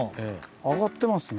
上がってますね。